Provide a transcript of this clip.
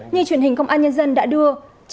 như truyền hình công an nhân dân đã đưa